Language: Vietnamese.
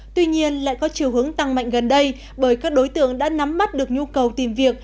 tuy nhiên lại có chiều hướng tăng mạnh gần đây bởi các đối tượng đã nắm mắt được nhu cầu tìm việc